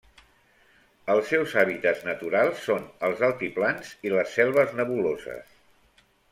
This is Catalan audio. Els seus hàbitats naturals són els altiplans i les selves nebuloses.